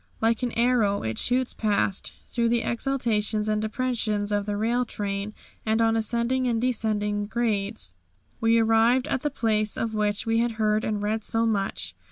Like an arrow, it shoots past. Through exaltations and depressions of the rail train, and on ascending and descending grades, we arrived at the place of which we had heard and read so much.